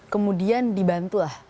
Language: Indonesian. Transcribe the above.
kemudian dibantu lah